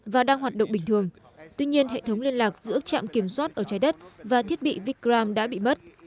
và đang hoạt động bình thường tuy nhiên hệ thống liên lạc giữa trạm kiểm soát ở trái đất và thiết bị vikram đã bị mất